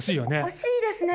惜しいですね。